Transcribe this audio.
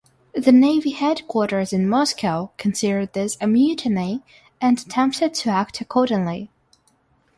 The Navy headquarters in Moscow considered this a mutiny and attempted to act accordingly.